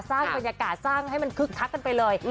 สร้างบรรยากาศสร้างให้มันคึกคักกันไปเลย